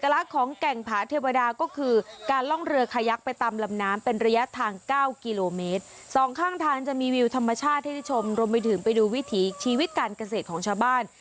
รวมไปถึงไปดูวิธีชีวิตการเกษตรของชาวบ้าน